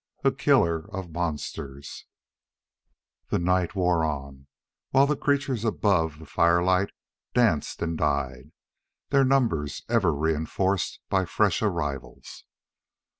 A KILLER OF MONSTERS_ The night wore on, while the creatures above the firelight danced and died, their numbers ever reinforced by fresh arrivals.